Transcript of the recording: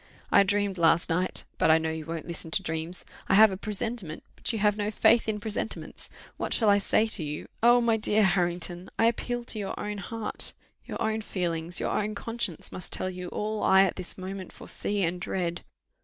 I dreamed last night but I know you won't listen to dreams; I have a presentiment but you have no faith in presentiments: what shall I say to you? Oh! my dear Harrington, I appeal to your own heart your own feelings, your own conscience, must tell you all I at this moment foresee and dread.